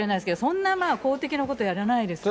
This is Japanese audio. そんなまあ、公的なことやらないですから。